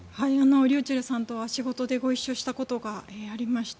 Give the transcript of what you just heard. ｒｙｕｃｈｅｌｌさんとは仕事でご一緒したことがありました。